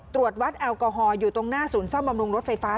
ตรวจวัดแอลกอฮอลอยู่ตรงหน้าศูนย์ซ่อมบำรุงรถไฟฟ้า